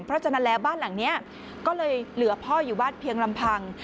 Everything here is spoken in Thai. เพราะฉะนั้นแล้วบ้านหลังนี้ก็เลยเหลือพ่ออยู่บ้านเพียงลำพัง